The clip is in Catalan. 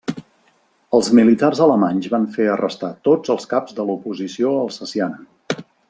Els militars alemanys van fer arrestar tots els caps de l'oposició alsaciana.